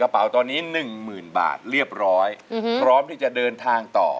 กระเป๋าตอนนี้หนึ่งหมื่นบาทเรียบร้อยอืมพร้อมที่จะเดินทางต่อ